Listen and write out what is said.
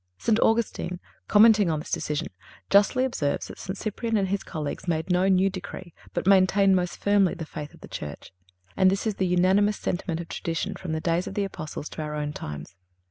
St. Augustine, commenting on this decision, justly observes that St. Cyprian and his colleagues made no new decree, but maintained most firmly the faith of the Church. And this is the unanimous sentiment of tradition from the days of the Apostles to our own times.